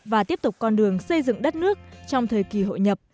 và tiếp tục con đường xây dựng đất nước trong thời kỳ hội nhập